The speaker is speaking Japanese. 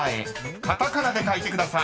カタカナで書いてください］